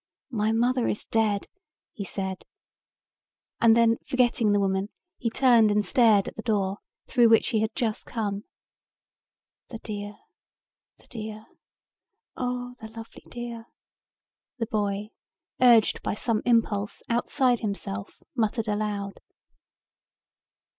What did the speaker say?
"My mother is dead," he said, and then forgetting the woman he turned and stared at the door through which he had just come. "The dear, the dear, oh the lovely dear," the boy, urged by some impulse outside himself, muttered aloud.